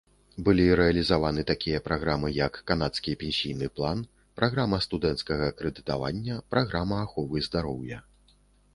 Былі рэалізаваны такія праграмы, як канадскі пенсійны план, праграма студэнцкага крэдытавання, праграма аховы здароўя.